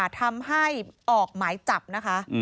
ทำให้ออกหมายจับนะคะ